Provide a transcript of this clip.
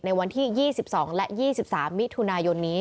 ในวันที่๒๒และ๒๓มิถุนายนนี้